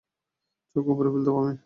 চোখ উপরে ফেলতাম আমি।